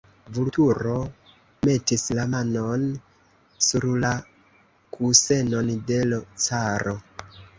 Vulturo metis la manon sur la kusenon de l' caro.